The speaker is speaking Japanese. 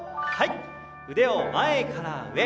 腕を前から上。